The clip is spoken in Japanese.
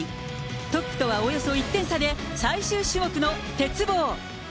トップとはおよそ１点差で、最終種目の鉄棒。